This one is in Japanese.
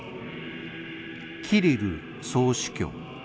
キリル総主教。